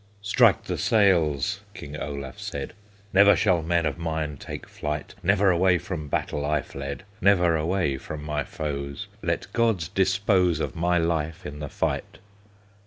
"Strike the sails!" King Olaf said; "Never shall men of mine take flight; Never away from battle I fled, Never away from my foes! Let God dispose Of my life in the fight!"